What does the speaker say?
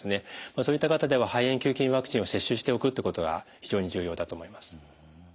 そういった方では肺炎球菌ワクチンを接種しておくってことが非常に重要だと思います。